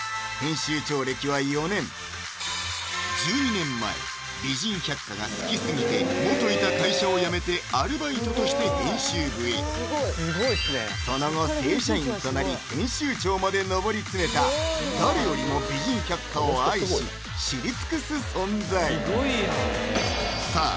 １２年前「美人百花」が好き過ぎて元いた会社を辞めてアルバイトとして編集部へその後正社員となり編集長まで上り詰めた誰よりも「美人百花」を愛し知り尽くす存在さあ